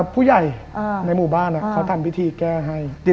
ผู้ใหญ่ในหมู่บ้านเขาทำพิธีแก้ให้